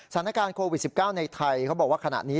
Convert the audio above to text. สถานการณ์โควิด๑๙ในไทยเขาบอกว่าขณะนี้